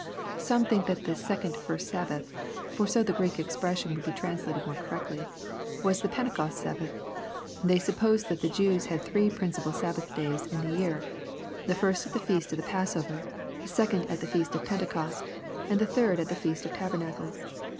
Some think that this second first Sabbath (for so the Greek expression would be translated more correctly) was the Pentecost Sabbath. They suppose that the Jews had three principal Sabbath days in the year, — ^the first at the Feast of the Passover, the second at the Feast of Pentecost, and the third at the Feast of Tabernacles.